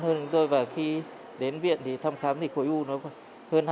hơn rồi và khi đến viện thì thăm khám thì khối u nó hơn hai cm và bệnh nhân này